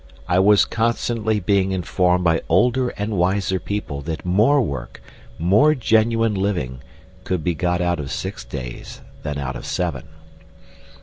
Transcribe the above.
I was constantly being informed by older and wiser people that more work, more genuine living, could be got out of six days than out of seven.